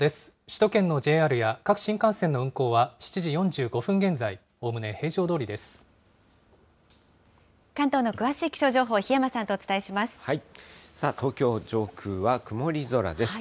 首都圏のＪＲや各新幹線の運行は７時４５分現在、おおむね平常ど関東の詳しい気象情報、檜山さあ、東京の上空は曇り空です。